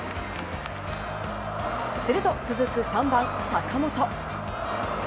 すると続く３番、坂本。